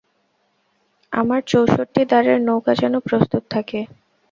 আমার চৌষট্টি দাঁড়ের নৌকা যেন প্রস্তুত থাকে।